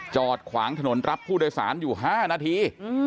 จอดขวางถนนรับผู้โดยสารอยู่๕นาที